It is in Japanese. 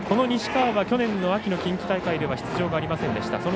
西川は去年の秋の近畿大会では出場がありませんでした。